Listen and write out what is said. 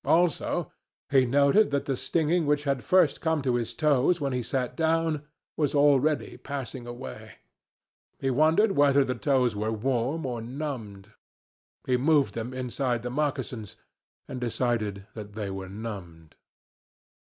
Also, he noted that the stinging which had first come to his toes when he sat down was already passing away. He wondered whether the toes were warm or numbed. He moved them inside the moccasins and decided that they were numbed.